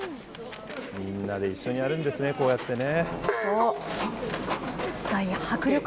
みんなで一緒にやるんですね、こうやってね。